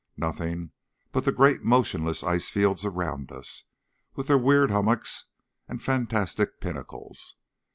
Nothing but the great motionless ice fields around us, with their weird hummocks and fantastic pinnacles.